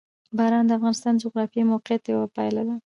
باران د افغانستان د جغرافیایي موقیعت یوه پایله ده.